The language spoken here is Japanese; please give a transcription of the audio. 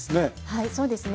はいそうですね